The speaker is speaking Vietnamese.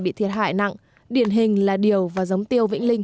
bị thiệt hại nặng điển hình là điều và giống tiêu vĩnh linh